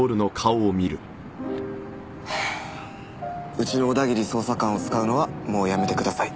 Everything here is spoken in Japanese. うちの小田切捜査官を使うのはもうやめてください。